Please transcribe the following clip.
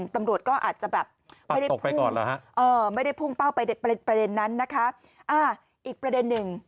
ตำรวจก็อาจจะแบบไม่ได้พุ่งเป้าไปในประเด็นนั้นนะคะอีกประเด็นหนึ่ง